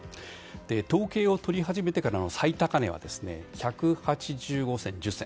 統計を取り始めてからの最高値は１８５円１０銭。